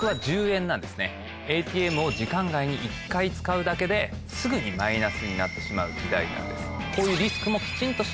ＡＴＭを時間外に１回使うだけですぐにマイナスになってしまう時代なんです。